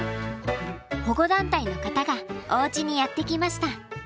保護団体の方がおうちにやって来ました。